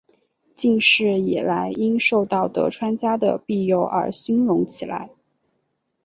近世以来因受到德川家的庇佑而兴隆起来。